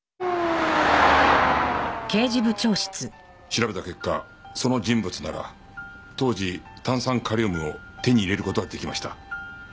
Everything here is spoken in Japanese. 調べた結果その人物なら当時炭酸カリウムを手に入れる事が出来ました。